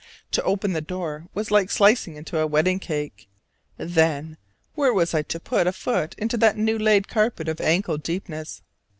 To open the door was like slicing into a wedding cake; then, where was I to put a foot into that new laid carpet of ankle deepness?